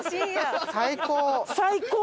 最高！